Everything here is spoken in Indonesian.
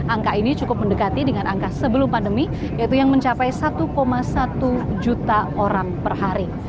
angka ini cukup mendekati dengan angka sebelum pandemi yaitu yang mencapai satu satu juta orang per hari